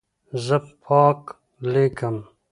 زه پاک لیکم.